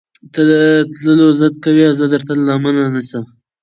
تۀ د تلو ضد کوې اؤ زۀ درته لمنه نيسم